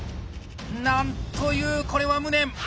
なんというこれは無念。